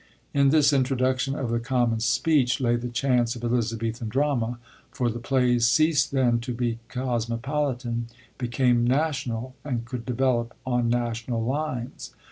In this introduction of the common speech lay the chance of Elizabethan drama, for the plays ceast then to be cosmopolitan, became national and could develop on national lines.